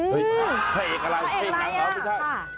พระเอกอะไรพระเอกอะไรอย่างนั้นหรือไงโอ้โหพระโค้ง